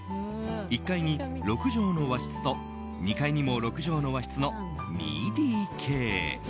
１階に６畳の和室と２階にも６畳の和室の２ＤＫ。